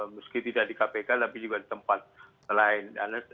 meski tidak di kpk tapi juga di tempat lain